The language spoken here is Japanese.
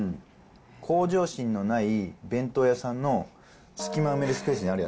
向上心のない弁当屋さんの隙間埋める